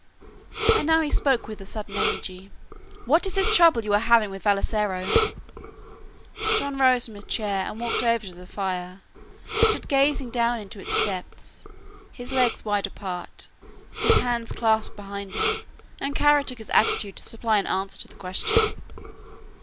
And now he spoke with a sudden energy. "What is this trouble you are having with Vassalaro?" John rose from his chair and walked over to the fire, stood gazing down into its depths, his legs wide apart, his hands clasped behind him, and Kara took his attitude to supply an answer to the question.